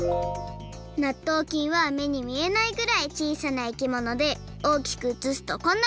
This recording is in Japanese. なっとうきんはめにみえないぐらいちいさないきものでおおきくうつすとこんなかんじ！